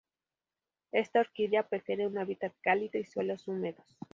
Esta orquídea prefiere un hábitat cálido y suelos húmedos.